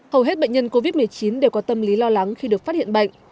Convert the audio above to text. hầu hết bệnh nhân covid một mươi chín đều có tâm lý lo lắng khi được phát hiện bệnh